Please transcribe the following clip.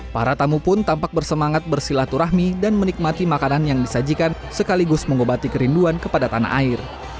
para tamu pun tampak bersemangat bersilaturahmi dan menikmati makanan yang disajikan sekaligus mengobati kerinduan kepada tanah air